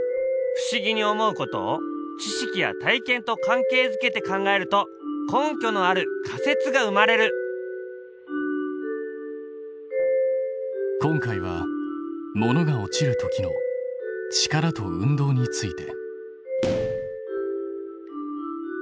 不思議に思うことを知識や体験と関係づけて考えると根拠のある仮説が生まれる今回は物が落ちる時の力と運動について。